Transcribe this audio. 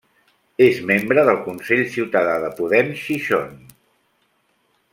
És membre del Consell Ciutadà de Podem Gijón.